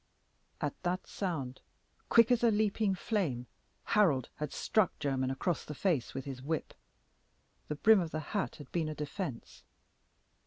At that sound, quick as a leaping flame, Harold had struck Jermyn across the face with his whip. The brim of the hat had been a defense.